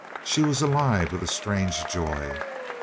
She was alive with a strange joy.